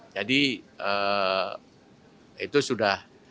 jadi itu sudah